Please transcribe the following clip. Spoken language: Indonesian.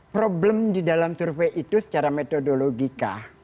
problem didalam survei itu secara metodologika